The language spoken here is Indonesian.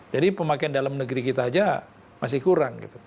jadi pemakaian dalam negeri kita saja masih kurang